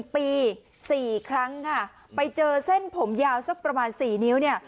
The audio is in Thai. ปี๔ครั้งค่ะไปเจอเส้นผมยาวสักประมาณ๔นิ้วเนี่ย